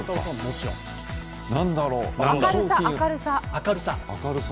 明るさ？